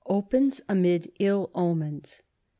"OPENS AMID ILL OMENS."